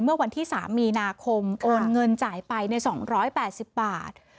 เมื่อวันที่๓มีนาคมโอนเงินจ่ายไปใน๒๘๐บาท